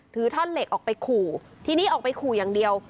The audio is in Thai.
ท่อนเหล็กออกไปขู่ทีนี้ออกไปขู่อย่างเดียว